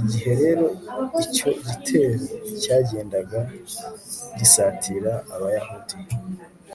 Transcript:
igihe rero icyo gitero cyagendaga gisatira abayahudi